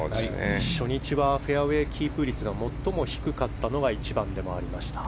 初日はフェアウェーキープ率が最も低かったのが１番でもありました。